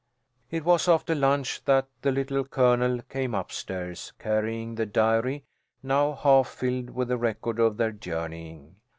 It was after lunch that the Little Colonel came up stairs carrying the diary, now half filled with the record of their journeying.